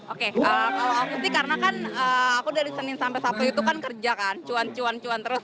oke kalau aku sih karena kan aku dari senin sampai sabtu itu kan kerja kan cuan cuan cuan terus